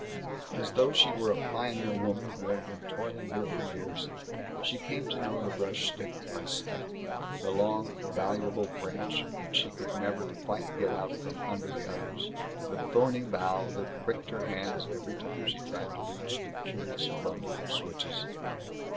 As though she were a pioneer woman who had been toiling here for years, she came to know the brush stick by stick the long valuable branch that she could never quite get out from under the others; the thorny bough that pricked her hands every time she tried to reach the curious bundle of switches.